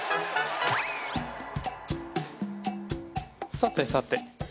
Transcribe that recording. さてさて。